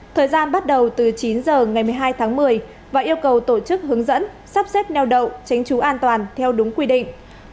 thời gian bắt đầu từ chín h ngày một mươi hai tháng một mươi và yêu cầu tổ chức hướng dẫn sắp xếp neo đậu tránh trú an toàn theo đúng quy định